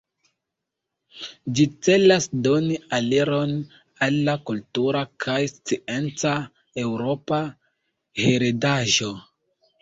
Ĝi celas doni aliron al la kultura kaj scienca eŭropa heredaĵo.